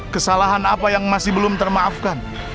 kesalahan apa yang masih belum termaafkan